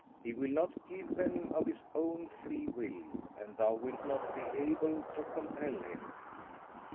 He will not give them of his own free will, and thou wilt not be able to compel him."